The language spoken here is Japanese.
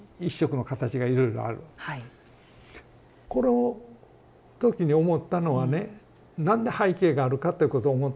この時に思ったのはね何で背景があるかっていうことを思ったんですね。